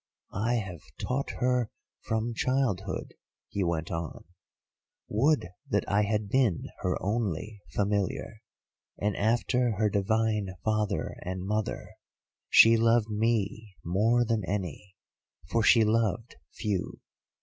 "I have taught her from childhood," he went on—"would that I had been her only familiar—and, after her divine father and mother, she loved me more than any, for she loved few.